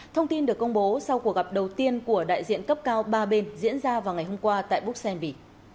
thông tin được công bố sau cuộc gặp đầu tiên của đại diện cấp cao ba bên diễn ra vào ngày hôm qua tại bruxelles bỉ